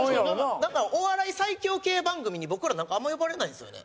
お笑い最強系番組に僕らなんかあんまり呼ばれないんですよね。